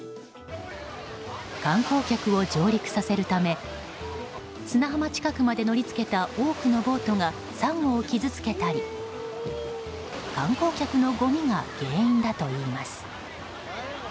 観光客を上陸させるため砂浜近くまで乗り付けた多くのボートがサンゴを傷つけたり観光客のごみが原因だといいます。